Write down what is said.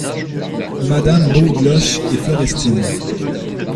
Madame Beaudeloche et Florestine.